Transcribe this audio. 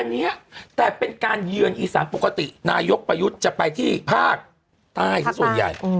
อันนี้แต่เป็นการเยือนอีสานปกตินายกประยุทธ์จะไปที่ภาคใต้สักส่วนใหญ่